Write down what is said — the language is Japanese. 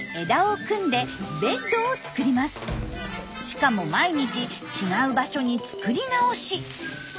しかも毎日違う場所に作り直し！